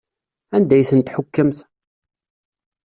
Anda ay tent-tḥukkemt?